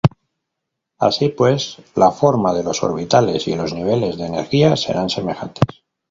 Así pues la forma de los orbitales y los niveles de energía serán semejantes.